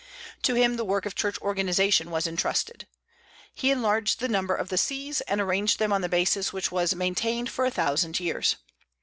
To him the work of church organization was intrusted. He enlarged the number of the sees, and arranged them on the basis which was maintained for a thousand years.